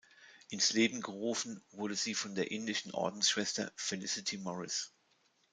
Ins Leben gerufen wurde sie von der indischen Ordensschwester Felicity Morris.